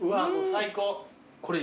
最高。